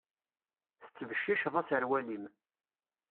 Tettbecciceḍ aserwal-im.